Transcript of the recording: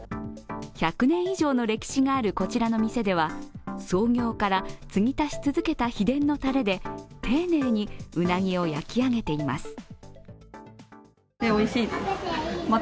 １００年以上の歴史があるこちらの店では創業から継ぎ足し続けた秘伝のタレで丁寧にうなぎを焼き上げています。